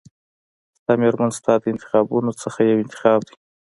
ستا مېرمن ستا د انتخابونو څخه یو انتخاب دی.